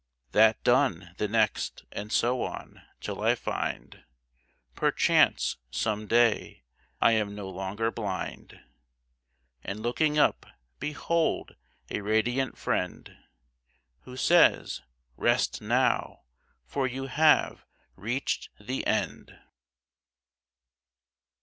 That done, the next, and so on, till I find Perchance some day I am no longer blind, And looking up, behold a radiant Friend Who says, "Rest, now, for you have reached the end."